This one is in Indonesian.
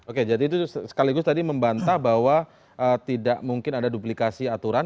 oke jadi itu sekaligus tadi membantah bahwa tidak mungkin ada duplikasi aturan